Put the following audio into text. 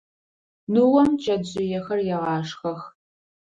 Ныом чэтжъыехэр егъашхэх.